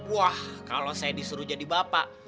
wah kalau saya disuruh jadi bapak